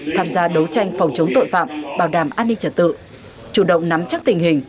tham gia đấu tranh phòng chống tội phạm bảo đảm an ninh trật tự chủ động nắm chắc tình hình